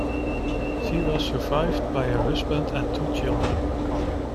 She was survived by her husband and two children.